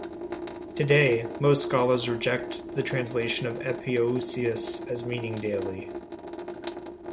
Today, most scholars reject the translation of "epiousios" as meaning "daily".